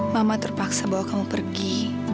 mama terpaksa bawa kamu pergi